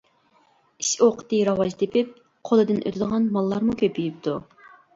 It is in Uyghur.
ئىش-ئوقىتى راۋاج تېپىپ، قولىدىن ئۆتىدىغان ماللارمۇ كۆپىيىپتۇ.